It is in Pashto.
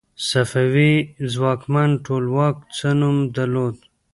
صفوي ځواکمن ټولواک څه نوم درلود؟